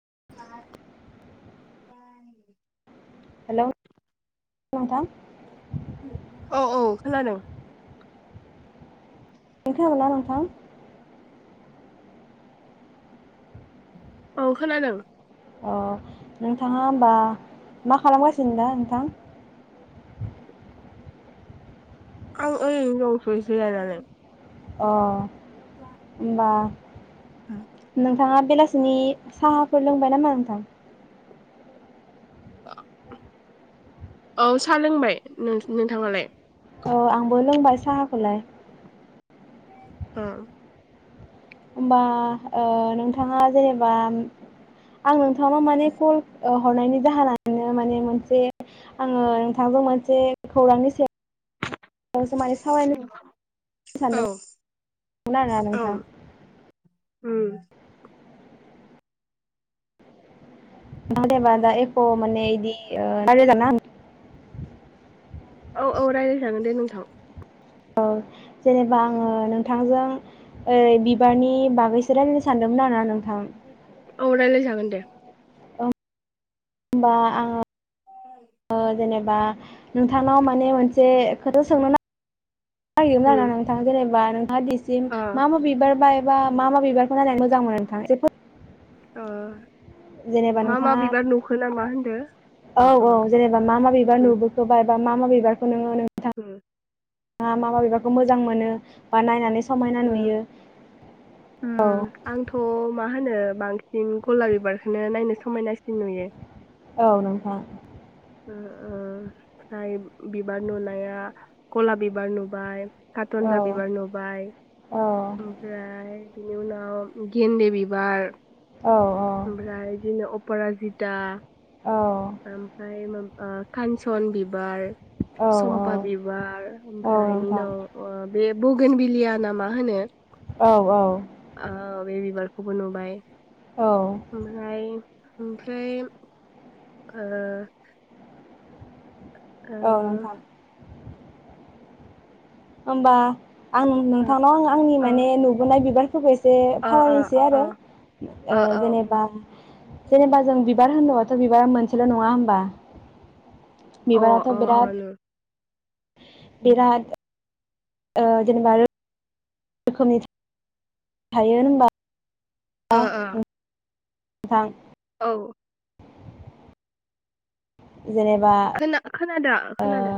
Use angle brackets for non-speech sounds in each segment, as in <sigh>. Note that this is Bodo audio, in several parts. <unintelligible> हेलौ नोंथां औ - औ खोनादों खोनादोंना नोंथां औ खोनादों अ नोंथाङा होमबा मा खालामगासिनो‌ <unintelligible> <unintelligible> आं ओरैनो दंथयो जिरायनानै अ ओमबा <unintelligible> नोंथाङा बेलासिनि साहाफोर लोंबाय नामा नोंथां <inaudible> औ साहा लोंबाय नोंथाङालाय औ आंबो लोंबाय साहाखौलाय औ होमबा ओ नोंथाङा जेनेबा आं नोंथांनाव माने कल हरनायनि जाहोननो माने मोनसे आङो नोंथांजों मोनसे खौरांनि सायाव <unintelligible> सावयसो माने <unintelligible> औ सानदोंमोन <inaudible> आरोना नोंथां उम <unintelligible> एख माने यिदि <unintelligible> जाना औ - औ रायज्लायजागोन दे नोंथां औ जेनेबा आङो नोंथांजों ओ बिबारनि बागैसो रायजलायनो सानदोंमोन आरोना नों औ रायलायजागोन दे होनबा आङो ओ जेने बा नोंथांनाव माने मोन एसे खोथा सोंनो ना <unintelligible> जेनेबा बान <unintelligible> अ मा मा बिबार <unintelligible> मा मा बिबारखौ नायनानै मोजां मोनो नोंथां जेबो ओ जेनेबा नोंथाङा होनदो अ औ - अ औ जेनेबा मा मा बिबार नुबोखोबा बा मा मा बिबार? हम थाङा मा मा बिबारखौ मोजां मोनो बा नायनानै स समायना नुयो। औ उम आंथ मा होनो बांसिन गलाब बिबारखौनो नायनो समायनासिन नुयो। औ नोंथां। ओ ओ फ्राय बिबार नुनाया गलाब बिबार नुबाय। औ कारटनजा बिबार नुबाय औ ओमफ्राय बिनि उनाव गेन्दे बिबार। औ ओमफ्राय <unintelligible> पराजिता। औ। <unintelligible> ओ कानसन बिबार। औ औ सम्फा बिबार औ ओमफ्राय इनि नोंथां उनाव बे बगोन बिलियाना मा होनो? औ आ बे बिबार खौबो नुबाय। औ ओमफ्राय। ओमफ्राय। ओ ओ औ नोंथां होनबा आं नोंथांनाव आं आंनि ओ माने नुबोनाय बिबारफोरखौ एसे ओ ओ सावरायनोसै आरो ओ जेनेबा जेनेबा जों बिबार होनदोंबाथ बिबारा मोनसेल नङा होमबा‌। बिबाराथ ओ बिराद ओ बिराद जेनेबा रोखोमनि थायो होनबा अ अ नु <inaudible> गोथां। ओ औ। <inaudible> जेनेबा खोनादों खोनादों।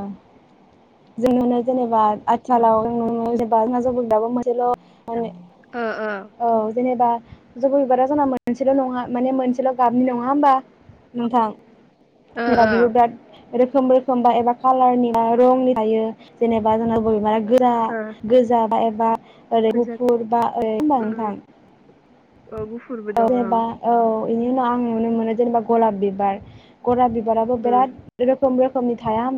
जों <inaudible> जेनेबा आथिखालाव जेनेबा ओ ओ <unintelligible> जेनेबा जबा बिबारा जोंना मोनसेल' नङा माने मोनसेल' गाबनि नङा होमबा नोंथां ओ ओ <unintelligible> रोखोम रोखोम बा एबा कालारनि बा रंनि थायो जेनेबा जोंना बबेबा गोरा ओ गोजा बा एबा बा ओरै गोजोनथों गुफुर बा औ उम गुफुरबो दं ओं जबा औ बेनि उनाव आं नुनो मोनो जेनेबा गलाब बिबार गलाब बिबार बिबाराबो बिराद रोखोम रोखोम रोखोमनि थाया होम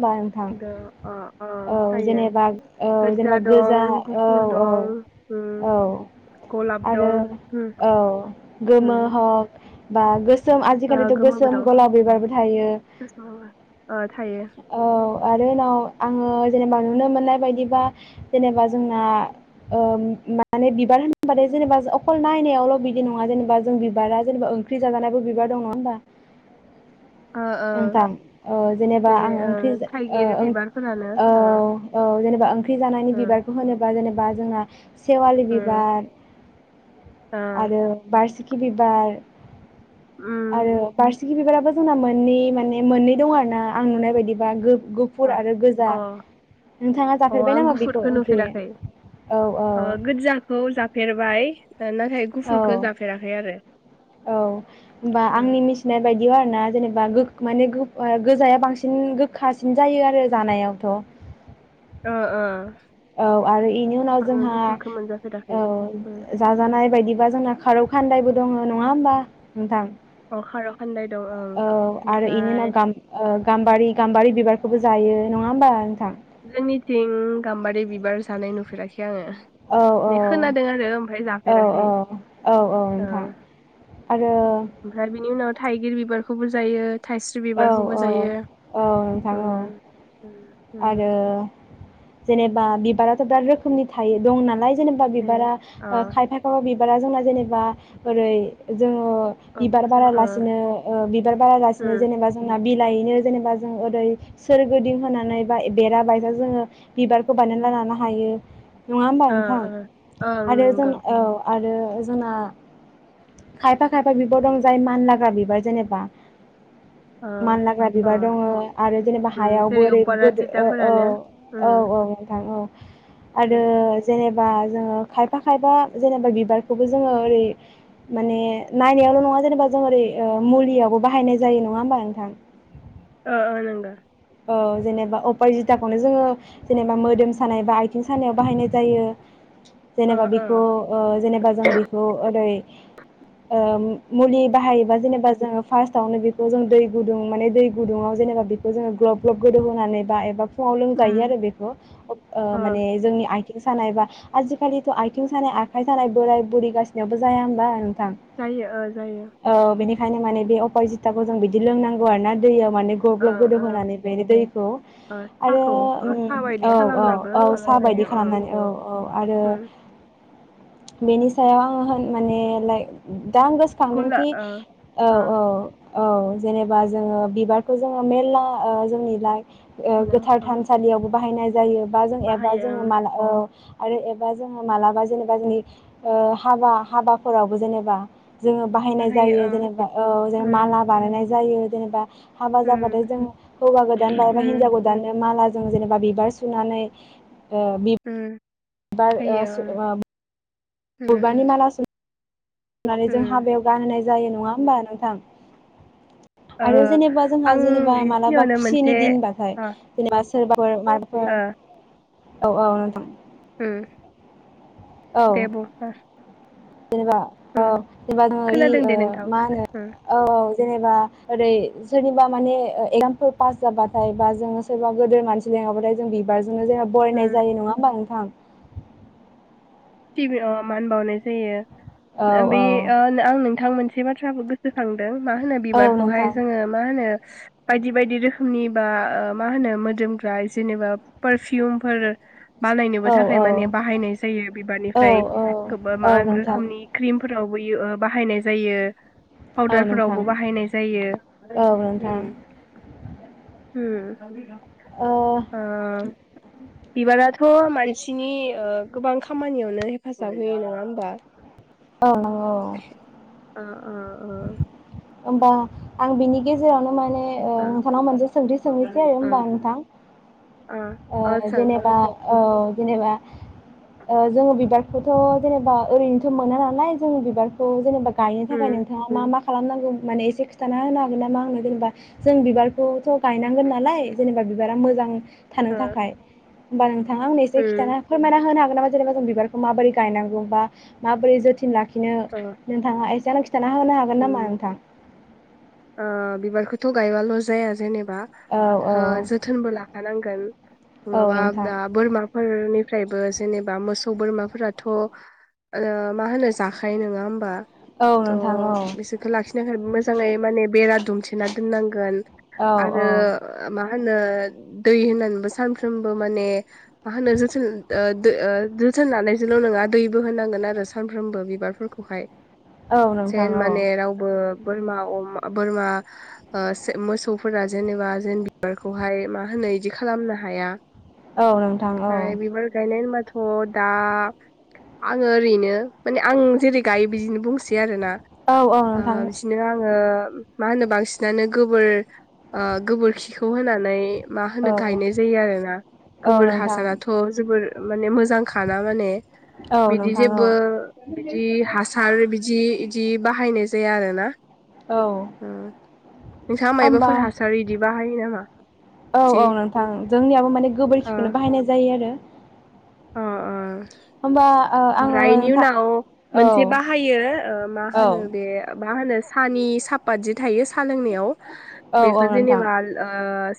दा ओ औ जेनेबा औ जेनेबा गोजा दं औ गुफुर औ दं उम औ गलाब आरो दं उम औ उम गोमो हक बा गोसोम गोसोम ओ आजिखालिथ' गोमोबो गोसोम दं गलाब बिबारबो थायो गोसोमबो ओ थायो औ आरो उनाव आङो जेनेबा नुनो मोननाय बायदिबा जेनेबा जोंना ओ‌ माने बिबार होनबाथाय जेनेबा अकल नयनायावल बिदि नङा जेनेबा बा जों बिबारा जेनबा ओंख्रि जाजानायबो बिबार दं नङा होमबा ओ ओ ओंखाम ओ जेनेबा जेरै आं ओ ओंख्रि ओ थाइगिर बिबारफोरानो औ ओ औ जेनेबा ओंख्रि जानायनि ओ बिबारखौ होनोबा जेनेबा जोंहा सेवालि ओ बिबार ओ आरो बारसिगि कि बिबार उम आरो बारसे कि बिबाराबो जोंना मोननै माने मोननै दं आरो ना आं नुनाय बायदिबा गो गुफुर अ आरो अ नोंथाङा अ जाफेरबाय आं नामा बेखौ गुफुरखौ ओंख्रि नुफेराखै औ अ गोज्जाखौ जाफेरबाय ओइ ना नाथाय औ गुफुरखौ जाफेराखै आरो औ होनोमबा उम आंनि मिथिनाय बायदिया ना जेनेबा गोख माने गोख गोजाया बांसिन गोखासिन जायो आरो जानायावथ' ओ ओ औ आरो इनि उनाव आङो जोंहा गुफुरखौ मोनजाफेराखै औ उम जाजानाय बायदिबा जोंना खारौ। फानदायबो दङ नङा होमबा नोंथां। अ खार' खान्दाय दं ओं औ आरो इनि ओमफ्राय गाम-गाम्बारि गाम्बारि बिबार। बो जायो नङा होमबा नोंथां। जोंनिथिं गाम्बारि बिबार जानाय नुफेराखि। आङो औ मे खोनादों आरो ओमफ्राय औ जाफेराखै औ औ नोंथां ओ- आरो ओमफ्राय बिनि उनाव। थाइगिर बिबारखौबो जायो। थाइस्रि औ बिबारखौबो औ जायो औ नोंथां औ उम उम उम, आरो। जेनेबा बिबाराथ' दा रोखोमनि थायो दं नालाय। जेनबा जायो बिबारा ओ- अ खायफा खायफा बिब बारा जोंना जेनेबा ओरै जों। अ बिबार फुजा अ बारालासिनो ओ- बिबार बारालासि। ओ उम जेनेबा जोंना बि। लायनो जेनेबा जों ओरै सोरगोदिं होनानै बा बेरा बायसा जोङो बिबारखौ बायना लानो हायो। नङा होमबा ओ नोंथां ओ ओं आरो जों नंगौ औ आरो। अ जोंना खायफा खायफा बिबार दं जाय मानलाग्रा बिबार जेनेबा। अ मानलाग्रा अ बिबार दङो आरो जेनेबा उम हायावबो जेरै ओरै गोदो औ अपराजिताफोरानो उम औ औ नोंथां औ। आरो उम जेनेब बा जोंङो खायफा खायफा जेनेबा बिबारखौबो जोङो ओरै माने नायनायावल नङा जेनेबा जोंङो ओरै ओ- मुलियावबो। बाहायनाय जायो नङा होमबा नोंथां? ओ ओ नंगो औ जेनेबा अपरजिताखौनो जोङो जेनेबा मोदोम सानाय बा आइ थिं सानायाव बाहायनाय जायो ओ जेनेबा ओ बेखौ ओ-जेनेबा जों बेखौ ओरै। ओ- मुलि बाहायोबा जेनेबा जोङो फार्स्टआवनो बेखौ जों दै गुदुं माने दै गुदुङाव जेनेबा बेखौ जोङो। ग्लब ग्लब गोदौ होनानै बा एबा। फुङाव उम लोंजायो आरो बेखौ ओ- अ माने जोंनि आइ। थिं सानायबा आजिखालिथ आथिं सानाय आखाइ सानाय बोराय बुरि गासिबनाबो जाया होमबा? नोंथां जायो ओ जायो। ओंखायनो माने अपारजिथाखौ जों बिदि लोंनांगौ आरो ना दैयाव। माने ग्लब ओ ग्लब गोदौ ओ होनानै। बेनि दैखौ ओ आरो साहाखौ ओ उम साहा बायदि औ औ खालामनाबो औ ओ सा बायदि लोंजायो ओ खालामनानै औ औ आरो। उम बेनि सायाव आङो होन माने लाइ। दा आं गुला गोसोखांदोंखि ओ औ ओ औ। औ जेनेबा जोङो बिबारखौ जोङो मेरला ओ। जोंनि लाइक। ओह गोथार मानायाव ओ थानसालियावबो बाहायनाय। जायोबा जों एबा बाहायो जोङो ओं माल ओ आरो एबा जोङो मालाबा जेनेबा जोंनि ओ हाबा हाबाफोरावबो जेनेबा। जोङो बाहायनाय बाहायो जायो ओं जेनेबा औ जों उम माला बानायनाय। जायो जेनेबा। हाबा जाबाथाय उम जों हौवा गोदान बा एबा उम हिनजाव गोदानो माला। जों जेनेबा बिबार सुनानै। ओ बिब उम बार होयो ओं <unintelligible> उम उम गबानि माला सु नानै जों उम हाबायाव गान होनाय। जायो नङा होमबा नोंथां। ओ आरो जेनेबा जोंहा आं जेनेबा मालाबा बेखिनियावनो खुसिनि मोनसे दिन बाथाय ओ <unintelligible> फोर मारफोर। ओ औ औ नोंथां। उम औ दे बुं गोर। <unintelligible> जेनेबा ओरै सोरनिबा खोनादों दे नोंथां उम माने एगजामफोर पास जाबाथाय बा जोङो सोरबा गोदोर मानसि लिंहरबाथाय जों बिबार <unintelligible> उम बरायनाय जायो नङा होमबा नों थां। टिभि अ मान बावनाय जायो। औ औ <unintelligible> से बाथ्राखौ गोसोखां दों मा होनो औ बिबारखौहाय नोंथां जोङो मा होनो। बायदि बायदि रोखोमनि बा मा होनो मोदोमग्रा जेनेबा पारफिउमफोर। बानायनोबो औ थाखाय औ माने बाहायनाय जायो। औ बानिफ्राय औ गोबा मा औ होनो नोंथां रोखोमनि ख्रिमफोर। <unintelligible> बैयो बाहायनाय जायो। औ नोंथां पाउदारफोरावबो बाहायनाय जायो औ नोंथां उम उम ओ बिबाराथ' मानसिनि ओ गोबां खा खामानियावनो हेफाजाब होयो नङा होमबा? औ नंगौ अ अ होमबा आं बिनि गेजेरावनो माने ओ नोंथांनाव मोनसे सोंथि सोंहनोसै ओ होमबा नोंथां ओ ओ जेनेबा ओ जेनेबा ओ जोङो बिबारखौथ' जेनेबा ओरैनोथ' मोना नालाय जों बिबारखौ जेनेबा गायनो थाखाय उम नों मा मा खालामनांगौ माने एसे खिन्थाना होनो हागोन नामा आंनो जेनेबा जों बिबारखौथ' गायनांगोन नालाय जेनेबा बिबारा मोजां थानो उम थाखाय बां नोंथाङा आंनो एसे खिथाना फोरमाना होनो हा <unintelligible> जेनेबा बिबारखौ माबोरै गायनांगौ बा माबोरै जोथोन लाखि बिदिनो नोंथाङा एसे <unintelligible> खिथाना होनो हागोन नामा उम नोंथां? ओ बिबारखौथ' गायबाल' जाया जेनेब बा औ औ जोथोनबो लाखानांगोन औ नङाबा नोंथां दा बोरमा फोरनिफ्रायबो जेनेबा मोसौ बोरमाफोराथ' ओ मा होनो जाखायो नङा होमबा औ थ' नोंथां औ बिसोरखौ लाखिनो थाखाय मोजाङै माने बेरा दुमथेना दोननांगोन औ औ आरो मा होनो दै होननानैबो सानफ्रोमबो माने मा होनो जोथोन ओ दो ओ जोथोन लानायजोंल' नङा दैबो होनांगोन आरो सानफ्रोमबो बिबारफोरखौहाय। औ नोंथां जेन औ माने रावबो बोरमा अम बोरमा मोसौफोरा जेनेबा जेन बिबारखौहाय मा होनो इदि खालामनो हाया। औ नोंथां औ। थ' दा आङो ओरैनो माने आं जेरै गायो बिदिनो बुंसै आरोना। औ औ नोंथां बिदिनो आङो मा होनो बांसिनानो गोबोर गोबोरखिखौ होनानै‌ मा होनो औ गायनाय जायो आरोना औ गोबोर नोंथां हासाराथ' जोबोर माने मोजांखाना माने औ बिदि नोंथां औ जेबो बिदि हासार बिदि इदि बाहायनाय जाया आरोना। औ ओ नोंथाङा होनबा मायबाफोर हासार इदि बाहायो नामा? औ बिदि औ नोंथां जोंनियाबो माने गोबोरखिखौनो बाहायनाय जायो आरो अ अ। होमबा ओ आङो ओमफ्राय बेनि नोंथां उनाव औ मोनसे बाहायो मा औ होनो बे मा होनो साहानि सापात जि थायो साहा लोंनायाव औ बेखौ नोंथां जेनेबा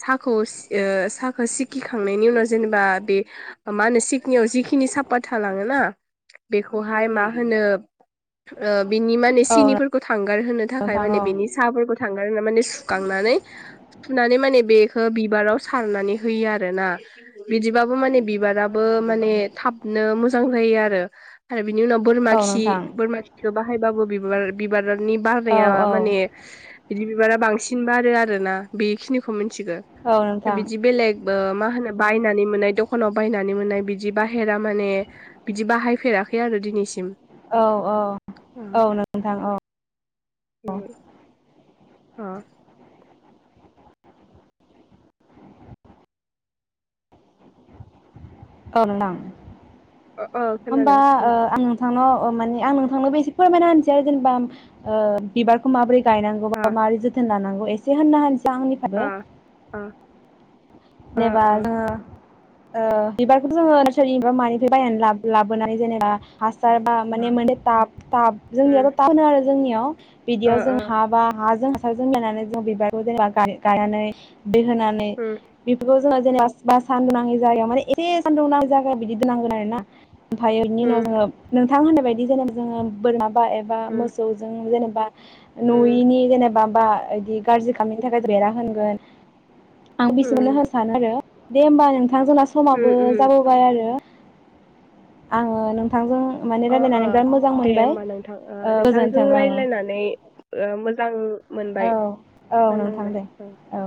साहाखौ साहाखौ सिखिखांनायनि उनाव जेनेबा बे मा होनो जिखिनि साफात थालाङोना बेखौहाय मा होनो बिनि माने औ सिनिफोरखौ थांगार होनो थाखाय नोंथां माने बिनि औ साहाफोरखौ थांगार होनानै माने सुखांनानै सुनानै माने बेखौ बिबाराव सारनानै होयो आरोना बिदिबाबो माने बिबाराबो माने थाबनो मोजां जायो आरो बिनि उनाव बोरमा औ खि नोंथां बोरमा खिखौ बाहायबाबो बि बिबार बिबारनि औ बारनाया औ माने बिदि बिबारा बांसिन बारो आरोना बेखिनिखौ मि थि गौ औ नोंथां बिदि बेलग मा होनो बायनानै मोननाय दखानाव बायनानै मोननाय बिदि बिदि बाहेरा माने बिदि बाहायफेराखै आरो दिनैसिम औ औ औ नोंथां औ औ। औ। औ नोंथां। अ होनबा खोनादों ओ आं नोंथांनाव माने आं नोंथांनोबो एसे फोरमायना होनसै आरो जेनेबा बिबारखौ माबोरै गायनांगौबा अ माबोरै जोथोन लानां एसे होनना होनस आंनिफ्राबो अ अ अ जेनेबा अ जोङो ओ बिबारखौ जोङो नार्सारिनि बा मानिफ्राय बायनानै लाबोनानै जेनेबा हासार बा माने मोनसे टाब थाब जोंनिया उम थाब होनो आरो जोंनियाव अ बिदियाव जों अ हा बा हाजों <unintelligible> दै होनानै उम बेखौ जोङो जेनेबा बा सान्दुं नि जायगायाव माने एसे सान्दुं नाङ जायायाव बिदि दोननांगोन आरो ना <unintelligible> ओमफ्रायओनि उम उनाव जोङो <unintelligible> थां होननाय बायदि जेनेबा जोङो बोरमा बा एबा उम मोसौजों जेने उम नुइनि जेनेबा बा इदि गाज्रि खालामैनि थाखाय बेरा होगोन उम <unintelligible> सानो आरो दे होमबा नों नोंथां जोंना उम समाबो उम जाबोबाय आरो आङो नोंथांजों माने अ अ रायलायनानै बिराद मोजां दे मोनबाय होमबा नोंथां ओ नोंथांजों गोजोन्थों औ रायलायनानै ओ मो जां औ औ नोंथां दे औ।